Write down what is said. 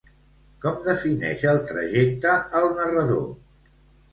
Com defineix el trajecte el narrador?